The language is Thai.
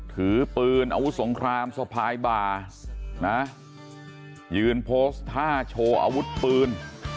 ถือปืนอาวุธสงครามสะพายบ่านะยืนโพสต์ท่าโชว์อาวุธปืน